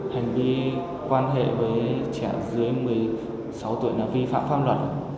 hành vi quan hệ với trẻ dưới một mươi sáu tuổi là vi phạm pháp luật